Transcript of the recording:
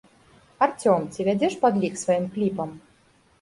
Арцём, ці вядзеш падлік сваім кліпам?